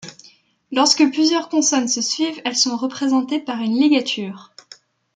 Lorsque plusieurs consonnes se suivent, elles sont représentées par une ligature.